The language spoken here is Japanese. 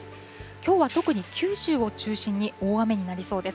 きょうは特に九州を中心に大雨になりそうです。